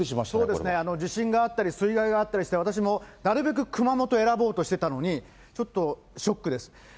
そうですね、地震があったり、水害があったりして私もなるべく熊本選ぼうとしてたのに、ちょっとショックです。